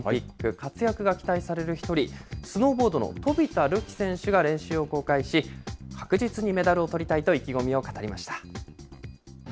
活躍が期待される１人、スノーボードの飛田流輝選手が練習を公開し、確実にメダルをとりたいと意気込みを語りました。